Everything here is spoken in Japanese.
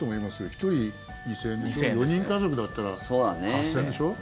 １人２０００円で４人家族だったら８０００円でしょ？